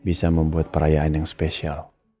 bisa membuat perayaan yang spesial